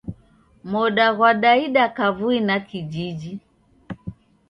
Moda ghwadaida kavui na kijiji.